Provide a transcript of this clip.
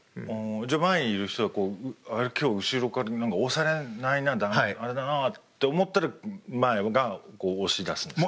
じゃあ前にいる人はこう今日後ろから押されないなあれだなって思ったら前がこう押し出すんですか？